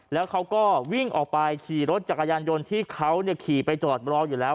แล้วเขาก็วิ่งออกไปขี่รถจักรยานยนต์ที่เขาขี่ไปจอดรออยู่แล้ว